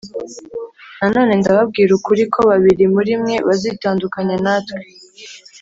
Nanone ndababwira ukuri ko babiri muri mwe bazitandukanya natwe